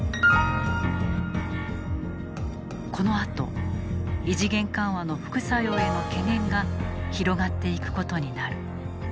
このあと異次元緩和の副作用への懸念が広がっていくことになる。